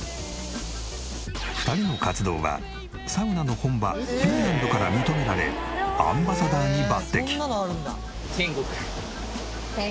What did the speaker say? ２人の活動はサウナの本場フィンランドから認められアンバサダーに抜擢。